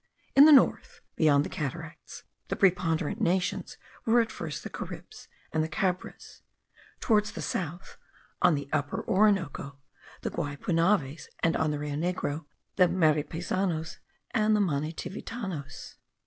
In the north, beyond the cataracts, the preponderant nations were at first the Caribs and the Cabres; towards the south, on the Upper Orinoco, the Guaypunaves; and on the Rio Negro, the Marepizanos and the Manitivitanos.